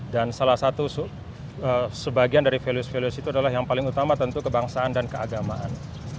dan salah satu sebagian dari values values itu adalah yang paling utama tentu kebangsaan dan keagamaan